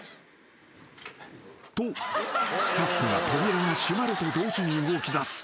［とスタッフが扉が閉まると同時に動きだす］